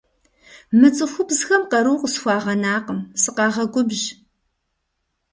Мы цӏыхубзхэм къару къысхуагъэнакъым, сыкъагъэгубжь.